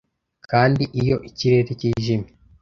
kandi iyo ikirere kijimye